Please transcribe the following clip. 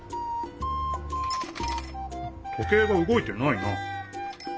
時計がうごいてないな。